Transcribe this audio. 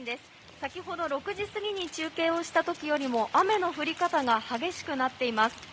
先ほど６時過ぎに中継をした時よりも雨の降り方が激しくなっています。